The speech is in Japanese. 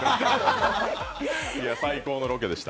最高のロケでした。